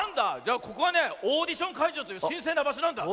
ここはねオーディションかいじょうというしんせいなばしょなんだ。